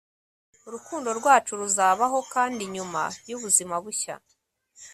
urukundo rwacu ruzabaho, kandi nyuma y'ubuzima bushya